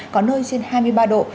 có nơi trên hai mươi ba độ